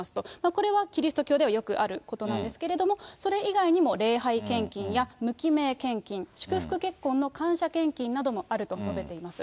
これはキリスト教ではよくあることなんですけど、それ以外にも礼拝献金や無記名献金、祝福結婚の感謝献金などもあると述べています。